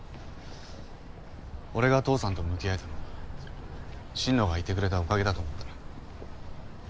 俺が父さんと向き合えたのも心野がいてくれたおかげだと思ってる。